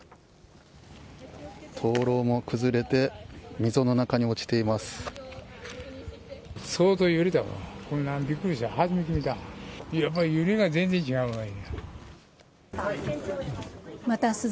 灯籠も崩れて溝の中に落ちています。